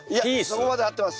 そこまで合ってます。